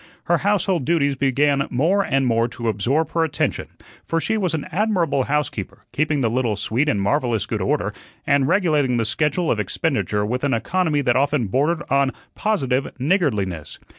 Her household duties began more and more to absorb her attention, for she was an admirable housekeeper, keeping the little suite in marvellous good order and regulating the schedule of expenditure with an economy that often bordered on positive niggardliness.